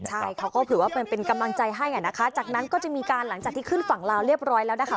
ใช่เขาก็ถือว่าเป็นกำลังใจให้อ่ะนะคะจากนั้นก็จะมีการหลังจากที่ขึ้นฝั่งลาวเรียบร้อยแล้วนะคะ